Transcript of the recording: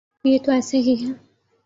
یہ تو ایسے ہی ہے۔